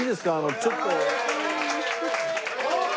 ちょっと。